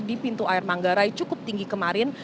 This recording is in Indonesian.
di pintu air manggarai cukup tinggi kemarin